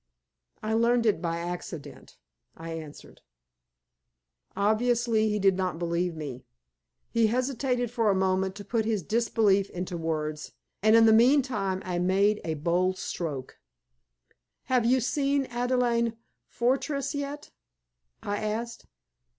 "I learned it by accident," I answered. Obviously he did not believe me; he hesitated for a moment to put his disbelief into words, and in the meantime I made a bold stroke. "Have you seen Adelaide Fortress yet?" I asked.